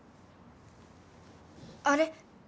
あれ？